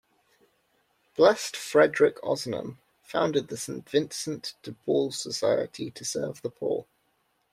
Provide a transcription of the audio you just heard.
Blessed Frederic Ozanam founded the St. Vincent de Paul Society to serve the poor.